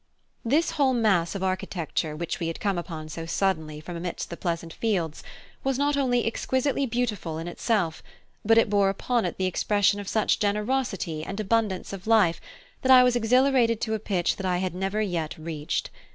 This whole mass of architecture which we had come upon so suddenly from amidst the pleasant fields was not only exquisitely beautiful in itself, but it bore upon it the expression of such generosity and abundance of life that I was exhilarated to a pitch that I had never yet reached.